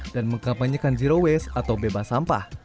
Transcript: dan mengkapanyikan zero waste atau bebas sampah